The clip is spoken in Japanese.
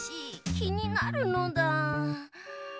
きになるのだ。